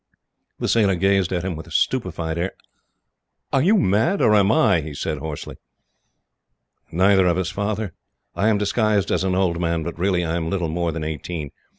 The sailor gazed at him with a stupefied air. "Are you mad, or am I?" he said hoarsely. "Neither of us, Father. I am disguised as an old man, but really I am little more than eighteen.